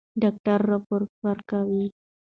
ډاکټره راپور ورکوي.